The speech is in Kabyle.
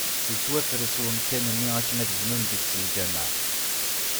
Yettwafres umkan-nni akken ad bnun deg-s lǧamaɛ.